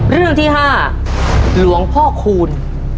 เรื่องที่๕หลวงพ่อคูณ